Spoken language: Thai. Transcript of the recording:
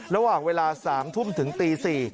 ระหว่างเวลา๓ทุ่มถึงตี๔